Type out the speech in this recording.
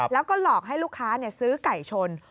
แล้วก็หลอกให้ลูกค้าซื้อไก่ชน